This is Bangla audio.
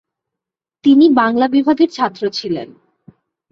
তিনি বাংলা বিভাগের ছাত্র ছিলেন।